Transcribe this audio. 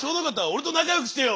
俺と仲良くしてよ！